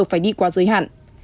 phải đi qua sới hạn